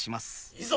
いざ！